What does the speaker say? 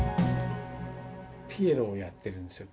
ピエロをやってるんですよ。